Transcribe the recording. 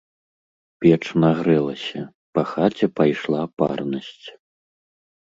Печ нагрэлася, па хаце пайшла парнасць.